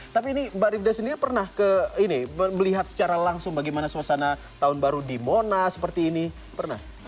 tapi ini mbak rifda sendiri pernah ke ini melihat secara langsung bagaimana suasana tahun baru di mona seperti ini pernah